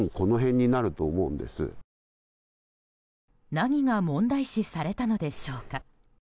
何が問題視されたのでしょうか。